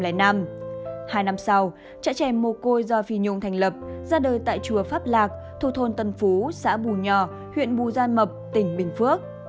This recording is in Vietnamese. hai năm sau trại chè mồ côi do phi nhung thành lập ra đời tại chùa pháp lạc thuộc thôn tân phú xã bù nhò huyện bù gia mập tỉnh bình phước